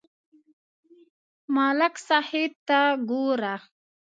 ملک صاحب ته گوره